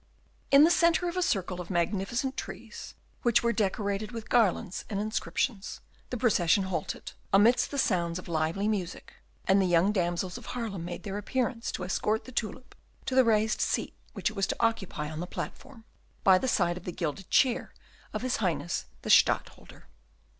In the centre of a circle of magnificent trees, which were decorated with garlands and inscriptions, the procession halted, amidst the sounds of lively music, and the young damsels of Haarlem made their appearance to escort the tulip to the raised seat which it was to occupy on the platform, by the side of the gilded chair of his Highness the Stadtholder.